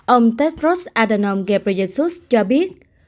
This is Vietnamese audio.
ông tedros adhanom ghebreyesus cho biết